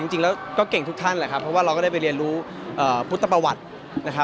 จริงแล้วก็เก่งทุกท่านแหละครับเพราะว่าเราก็ได้ไปเรียนรู้พุทธประวัตินะครับ